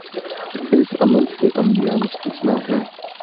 اس عمل سے انبیا مستثنی ہیں۔